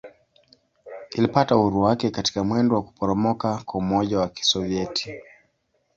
Ilipata uhuru wake katika mwendo wa kuporomoka kwa Umoja wa Kisovyeti.